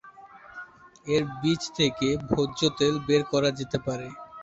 এর বীজ থেকে ভোজ্য তেল বের করা যেতে পারে।